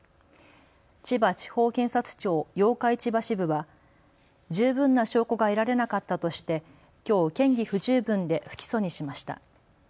千葉地方検察庁八日市場支部は十分な証拠が得られなかったとして、きょう嫌疑不十分で不起訴にしました。